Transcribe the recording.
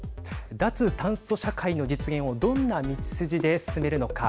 脱炭素社会の実現をどんな道筋で進めるのか。